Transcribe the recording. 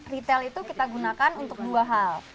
retail itu kita gunakan untuk dua hal